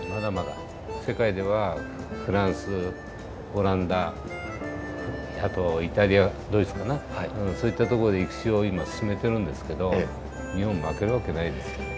世界ではフランスオランダあとイタリアドイツかなそういったとこで育種を今進めてるんですけど日本負けるわけないですよ。